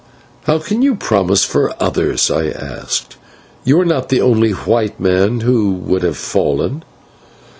"How can you promise for others?" I asked. "You are not the only white man who would have fallen."